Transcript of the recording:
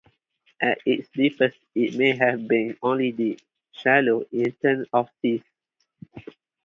At its deepest, it may have been only deep, shallow in terms of seas.